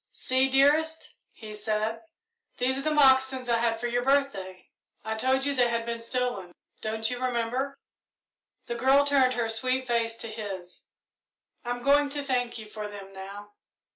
"See, dearest," he said, "these are the moccasins I had for your birthday. I told you they had been stolen, don't you remember?" The girl turned her sweet face to his. "I'm going to thank you for them now."